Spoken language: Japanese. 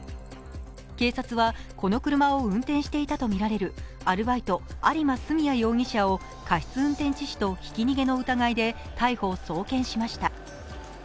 警察は、この車を運転していたとみられるアルバイト、有馬純也容疑者を過失運転致死とひき逃げの疑いで逮捕・送検しました。